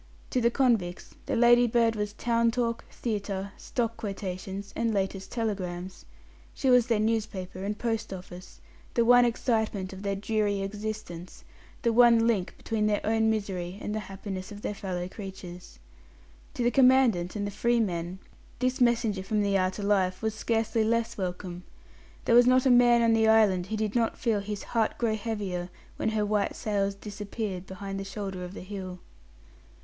To the convicts the Ladybird was town talk, theatre, stock quotations, and latest telegrams. She was their newspaper and post office, the one excitement of their dreary existence, the one link between their own misery and the happiness of their fellow creatures. To the Commandant and the "free men" this messenger from the outer life was scarcely less welcome. There was not a man on the island who did not feel his heart grow heavier when her white sails disappeared behind the shoulder of the hill.